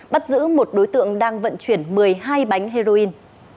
bắt giữ một đối tượng đang vận chuyển một mươi hai bánh heroin